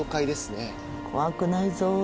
怖くないぞ。